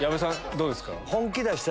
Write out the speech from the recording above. どうですか？